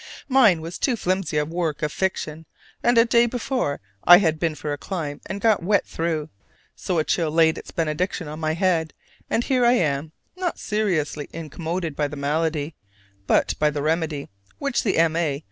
Mine was too flimsy a work of fiction, and a day before I had been for a climb and got wet through, so a chill laid its benediction on my head, and here I am, not seriously incommoded by the malady, but by the remedy, which is the M. A.